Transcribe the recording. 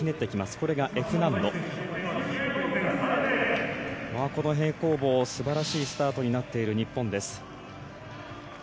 この平行棒素晴らしいスタートになっている日本です。